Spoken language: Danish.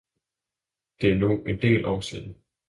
Det er nu en del år siden.